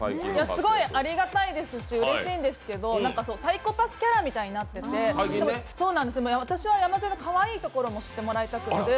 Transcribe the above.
すごいありがたいですし、うれしいんですけどサイコパスキャラみたいになっていて、私は、山添のかわいいところも知ってもらいたくて。